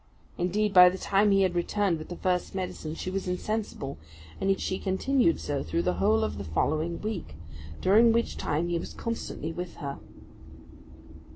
Indeed, by the time he had returned with the first medicine, she was insensible; and she continued so through the whole of the following week, during which time he was constantly with her.